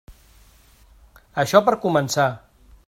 Això per començar.